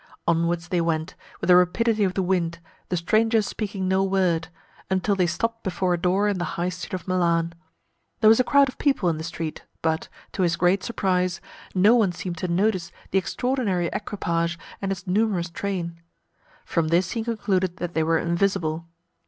Onwards they went, with the rapidity of the wind, the stranger speaking no word, until they stopped before a door in the high street of Milan. There was a crowd of people in the street, but, to his great surprise, no one seemed to notice the extraordinary equipage and its numerous train. From this he concluded that they were invisible.